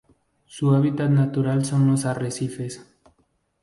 Su hábitat natural son los arrecifes.